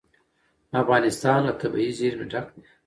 افغانستان له طبیعي زیرمې ډک دی.